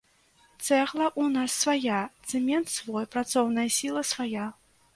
Цэгла ў нас свая, цэмент свой, працоўная сіла свая.